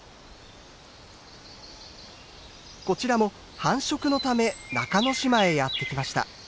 こちらも繁殖のため中之島へやって来ました。